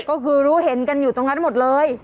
ก็คือรู้เห็นกันอยู่ตรงนั้นหมดเลย